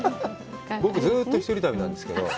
僕ずうっと一人旅なんですけど。